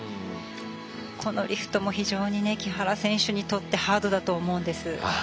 このリフトも非常に木原選手にとってハードだと思うんです。